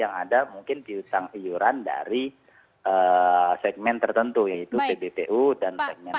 yang ada mungkin piusang iuran dari segmen tertentu yaitu pbpu dan segmen